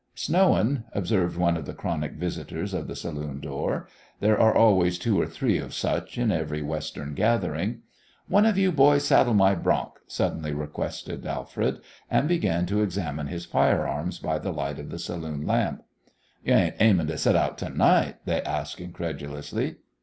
"Snowin'," observed one of the chronic visitors of the saloon door. There are always two or three of such in every Western gathering. "One of you boys saddle my bronc," suddenly requested Alfred, and began to examine his firearms by the light of the saloon lamp. "Yo' ain't aimin' to set out to night?" they asked, incredulously.